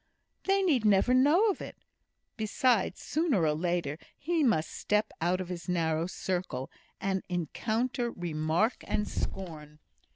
"They need never know of it. Besides, sooner or later, he must step out of his narrow circle, and encounter remark and scorn."